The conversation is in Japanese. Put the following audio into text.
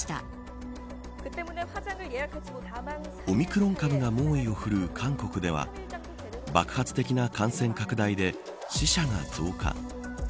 オミクロン株が猛威を振るう韓国では爆発的な感染拡大で死者が増加。